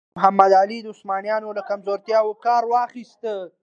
محمد علي د عثمانیانو له کمزورتیاوو کار واخیست.